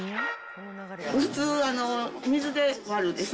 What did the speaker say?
普通、水で割るでしょ。